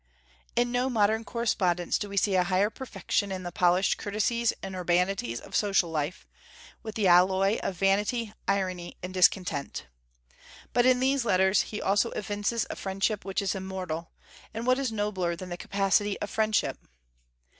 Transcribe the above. In no modern correspondence do we see a higher perfection in the polished courtesies and urbanities of social life, with the alloy of vanity, irony, and discontent. But in these letters he also evinces a friendship which is immortal; and what is nobler than the capacity of friendship?